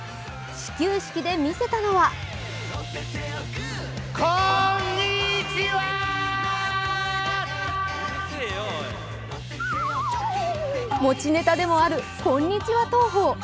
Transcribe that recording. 始球式で見せたのは持ちネタでもあるこんにちは投法。